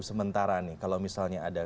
sementara nih kalau misalnya ada